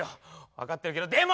分かってるけどでも。